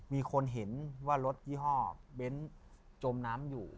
มีคนเห็นว่ารถยี่ห้อเบ้นจมน้ำอยู่